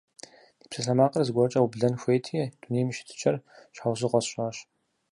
Ди псалъэмакъыр зыгуэркӀэ ублэн хуейти, дунейм и щытыкӏэр щхьэусыгъуэ сщӀащ.